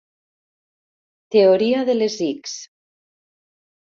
Teoria de les ics.